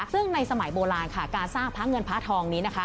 ซึ่งในสมัยโบราณค่ะการสร้างพระเงินพระทองนี้นะคะ